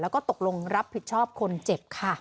แล้วก็ตกลงรับผิดชอบคนเจ็บค่ะ